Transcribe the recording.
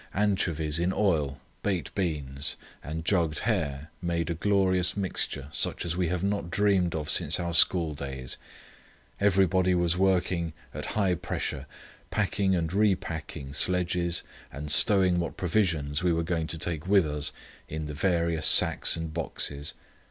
Anchovies in oil, baked beans, and jugged hare made a glorious mixture such as we have not dreamed of since our school days. Everybody was working at high pressure, packing and repacking sledges and stowing what provisions we were going to take with us in the various sacks and boxes.